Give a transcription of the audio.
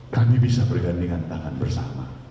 kami bisa bergandingan tangan bersama